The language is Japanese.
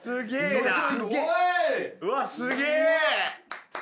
うわすげえ。